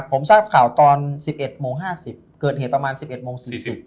ผมทราบข่าวตอน๑๑โมง๕๐เกิดเหตุประมาณ๑๑โมง๔๐